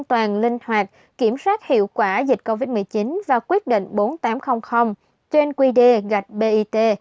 toàn linh hoạt kiểm soát hiệu quả dịch covid một mươi chín và quyết định bốn nghìn tám trăm linh trên quy đề gạch bit